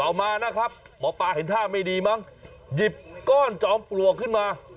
เอามานะครับหมอปลาเห็นท่าไม่ดีมั้งหยิบก้อนจอมปลวกขึ้นมา